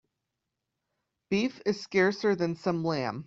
Beef is scarcer than some lamb.